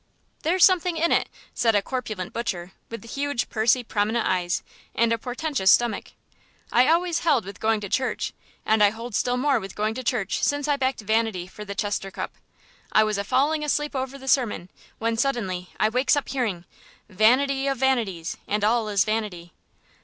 "There's something in it," said a corpulent butcher with huge, pursy, prominent eyes and a portentous stomach. "I always held with going to church, and I hold still more with going to church since I backed Vanity for the Chester Cup. I was a falling asleep over the sermon, when suddenly I wakes up hearing, 'Vanity of vanities, and all is vanity.'"